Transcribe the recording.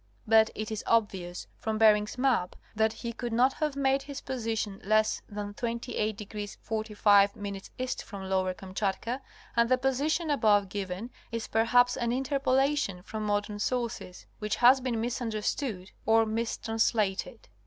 But it is obvious from Bering's map that he could not have made his position less than 28° 45' east from Lower Kamchatka, and the position above given is perhaps an interpolation from modern sources, which has been misun derstood or mistranslated.